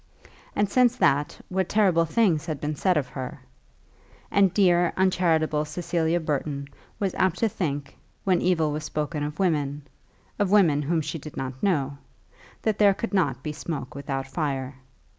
And since that what terrible things had been said of her! And dear, uncharitable Cecilia Burton was apt to think, when evil was spoken of women, of women whom she did not know, that there could not be smoke without fire.